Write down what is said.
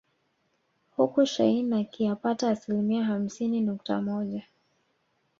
Huku shein akiapta asilimia hamsini nukta moja